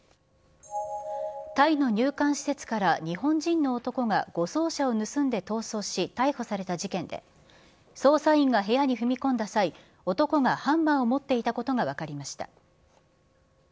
タイの入管施設から、日本人の男が護送車を盗んで逃走し、逮捕された事件で、捜査員が部屋に踏み込んだ際、男がハンマーを持っていたことが分かりました。